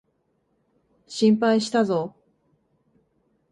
心配したぞ。